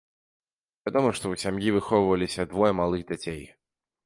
Вядома, што ў сям'і выхоўваліся двое малых дзяцей.